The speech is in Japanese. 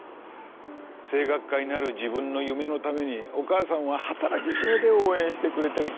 声楽家になる自分の夢のためにお母さんは働き詰めで応援してくれてるって。